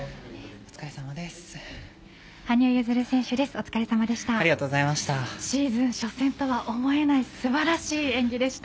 お疲れさまでした。